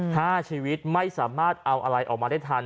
ห้าชีวิตไม่สามารถเอาอะไรออกมาได้ทัน